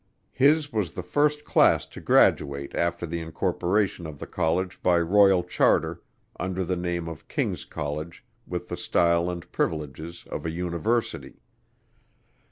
His was the first class to graduate after the incorporation of the college by Royal Charter, under the name of King's College with the style and privileges of a University.